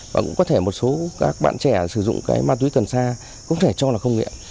và cũng có thể một số các bạn trẻ sử dụng cái ma túy cần xa cũng thể cho là không nghiện